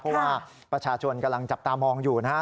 เพราะว่าประชาชนกำลังจับตามองอยู่นะฮะ